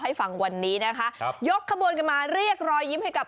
ให้ฟังวันนี้นะคะครับยกขบวนกันมาเรียกรอยยิ้มให้กับ